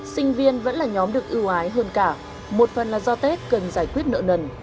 sinh viên vẫn là nhóm được ưu ái hơn cả một phần là do tết cần giải quyết nợ nần